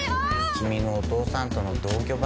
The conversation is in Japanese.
君のお義父さんとの同居話。